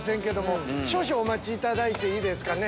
少々お待ちいただいていいですか。